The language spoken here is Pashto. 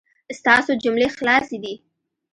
ستاسو جملې خلاصې دي